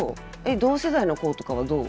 同世代の子とかはどう？